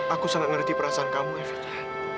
aku sangat ngerti perasaan kamu evita